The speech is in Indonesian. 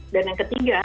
dan yang ketiga